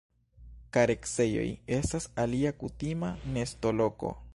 Kareksejoj estas alia kutima nestoloko.